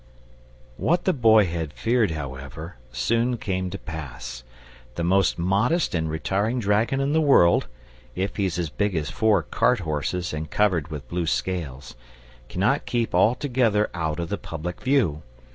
What the Boy had feared, however, soon came to pass. The most modest and retiring dragon in the world, if he's as big as four cart horses and covered with blue scales, cannot keep altogether out of the public view.